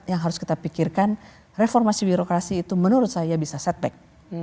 yang harus kita pikirkan reformasi birokrasi itu menurut saya bisa setback